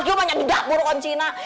bukan tebis akan